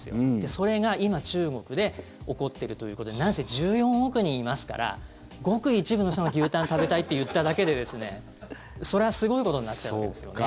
それが今、中国で起こっているということでなんせ１４億人いますからごく一部の人が牛タン食べたいって言っただけでそれはすごいことになっちゃうわけですよね。